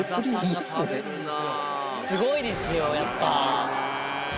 すごいですよやっぱ。